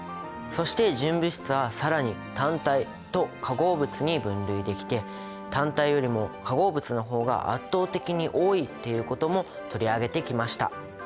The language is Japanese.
そして純物質は更に単体と化合物に分類できて単体よりも化合物の方が圧倒的に多いっていうことも取り上げてきました。